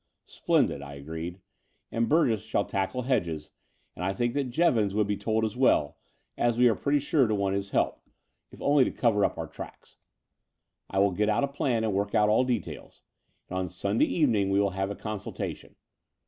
"Splendid,^' I agreed; "and Burgess shall tackle Hedges, and I think that Jevons should be told as well, as we are pretty sure to want his help, The Dower House 245 if only to covet up our tracks . I will get out a plan and work out all details; and on Sunday evening we will have a consultation.